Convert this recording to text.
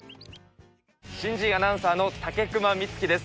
新人アナウンサーの武隈光希です。